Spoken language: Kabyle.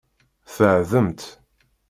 Tbeɛdemt.